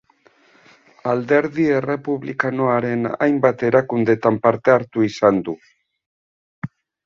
Alderdi Errepublikanoaren hainbat erakundetan parte hartu izan du.